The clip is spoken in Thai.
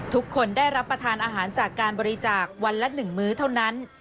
ทุกคนได้รับประทานอาหารจากการบริจาควันละ๑มื้อเท่านั้น